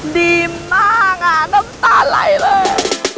ดีมากน้ำตาไหลเลย